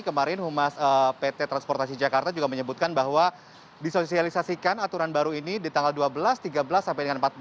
kemarin humas pt transportasi jakarta juga menyebutkan bahwa disosialisasikan aturan baru ini di tanggal dua belas tiga belas sampai dengan empat belas